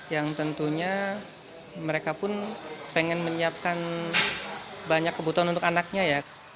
yang tentunya mereka pun pengen menyiapkan banyak kebutuhan untuk anaknya ya